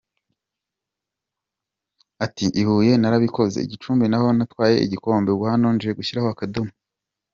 Ati "I Huye narabikoze, i Gicumbi naho natwaye igikombe, ubu hano nje gushyiraho akadomo.